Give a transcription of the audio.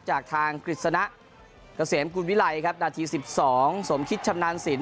จากทางกฤษณะเกษมกุลวิลัยครับนาที๑๒สมคิดชำนาญสิน